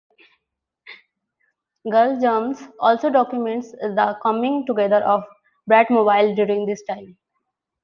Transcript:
"Girl Germs" also documents the coming together of Bratmobile, during this time.